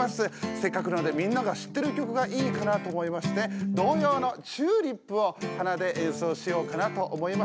せっかくなのでみんなが知ってる曲がいいかなと思いまして童謡の「チューリップ」を鼻で演奏しようかなと思います。